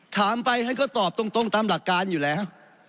ถามไปท่านก็ตอบตรงตามหลักการอยู่แล้ว